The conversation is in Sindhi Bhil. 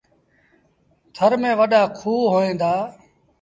ٿر ميݩ وڏآ کوه هوئيݩ دآ۔